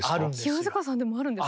清塚さんでもあるんですか？